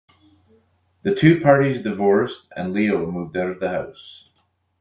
The two parties divorced and Leo moved out of the house.